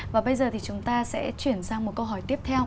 và bây giờ thì chúng ta sẽ chuyển sang một câu hỏi tiếp theo